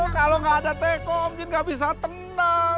kalau gak ada teko om jin gak bisa tenang